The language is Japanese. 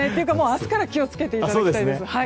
明日から気を付けていただきたいです。